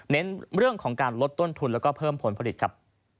เน้นเรื่องของการลดต้นทุนแล้วก็เพิ่มผลผลิตครับ